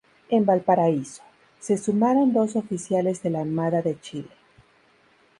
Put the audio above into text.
En Valparaíso, se sumaron dos oficiales de la Armada de Chile.